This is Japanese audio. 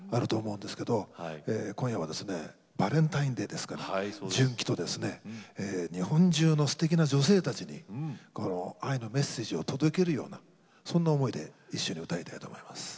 今夜はバレンタインデーですから純喜と日本中のすてきな女性たちに愛のメッセージを届けるようなそんな思いで一緒に歌いたいと思います。